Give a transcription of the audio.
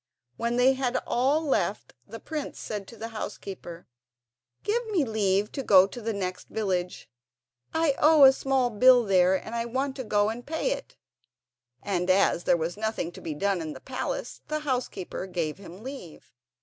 When they had all left, the prince said to the housekeeper: "Give me leave to go to the next village—I owe a small bill there, and I want to go and pay it"; and as there was nothing to be done in the palace the housekeeper gave him leave.